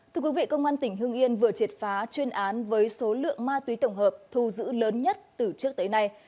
thưa quý vị công an tỉnh hương yên vừa triệt phá chuyên án với số lượng ma túy tổng hợp thu giữ lớn nhất từ trước tới nay